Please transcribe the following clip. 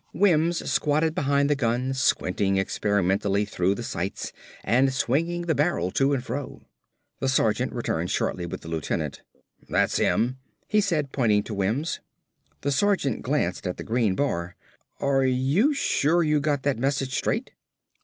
Wims squatted behind the gun, squinting experimentally through the sights and swinging the barrel to and fro. The sergeant returned shortly with the lieutenant. "That's him," he said, pointing to Wims. The lieutenant glanced at the green bar. "Are you sure you got that message straight?"